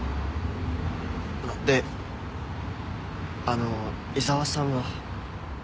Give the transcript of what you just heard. であの伊沢さんは？